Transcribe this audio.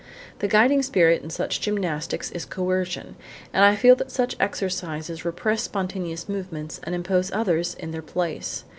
The guiding spirit in such gymnastics is coercion, and I feel that such exercises repress spontaneous movements and impose others in their place.